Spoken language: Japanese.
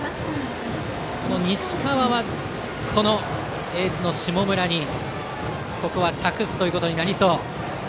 西川は、エースの下村にここは託すことになりそう。